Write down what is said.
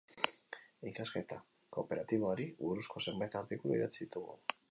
Ikasketa kooperatiboari buruzko zenbait artikulu idatzi ditugu.